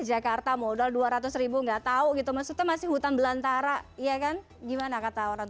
jakarta modal dua ratus ribu enggak tahu gitu maksudnya masih hutan belantara iya kan gimana kata orang